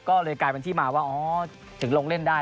ก็เลยกลายเป็นที่มาว่าอ๋อถึงลงเล่นได้